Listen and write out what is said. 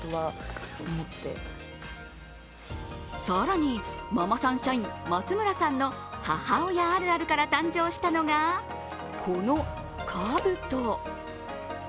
更に、ママさん社員・松村さんの母親あるあるから誕生したのがこのかぶと。